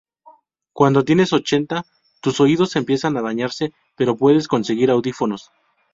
Cuando tienes ochenta tus oídos empiezan a dañarse pero puedes conseguir audífonos.